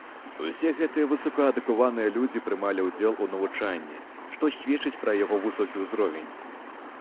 Усе гэтыя высокаадукаваныя людзі прымалі ўдзел у навучанні, што сведчыць пра яго высокі ўзровень.